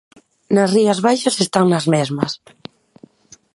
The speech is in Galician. Nas Rías Baixas están nas mesmas.